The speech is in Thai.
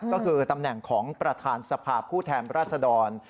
ก็คือตำแหน่งของประธานสภาพผู้แทนราชดร